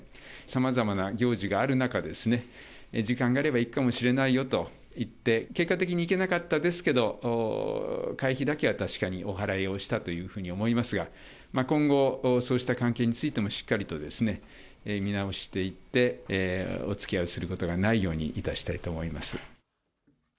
さまざまな行事がある中で、時間があれば行くかもしれないよと言って、結果的に行けなかったですけど、会費だけは確かにお払いをしたというふうに思いますが、今後、そうした関係についてもしっかりと見直していって、おつきあいをすることがないようにいたしたいと思います。